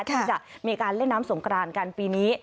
ที่จะมีการเล่นน้ำสงกรานกันปีนี้